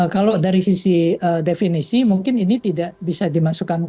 kalau dari sisi definisi mungkin ini tidak bisa dimasukkan